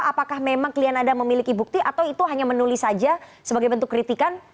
apakah memang klien anda memiliki bukti atau itu hanya menulis saja sebagai bentuk kritikan